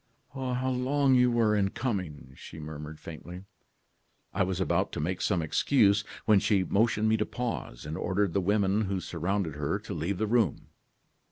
"'How long you were in coming!' she murmured faintly. "I was about to make some excuse, when she motioned me to pause, and ordered the women who surrounded her to leave the room.